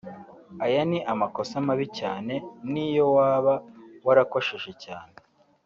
Aya ni amakosa mabi cyane n’iyo waba warakosheje cyane